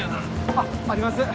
あっあります